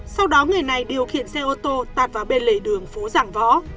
sau đó người này điều khiển xe ô tô tạt vào bên lề đường phố giảng võ